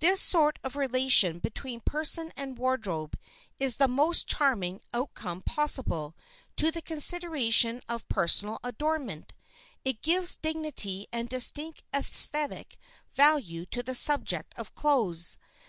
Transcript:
This sort of relation between person and wardrobe is the most charming outcome possible to the consideration of personal adornment. It gives dignity and distinct esthetic value to the subject of clothes.